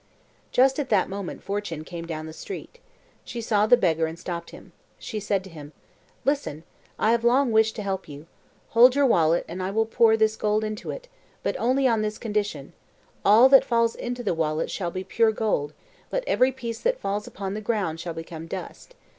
Just at that moment Fortune came down the street. She saw the beggar and stopped. She said to him: "Listen! I have long wished to help you. Hold your wallet and I will pour this gold into it, but only on this condition: all that falls into the wallet shall be pure gold; but every piece that falls upon the ground shall become dust.